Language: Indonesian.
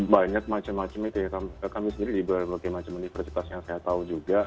banyak macam macam itu ya kami sendiri di berbagai macam universitas yang saya tahu juga